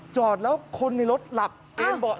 จอดแล้วคนในรถหลับแบบนี้เลย